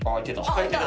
開いてた。